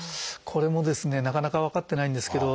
これもなかなか分かってないんですけど。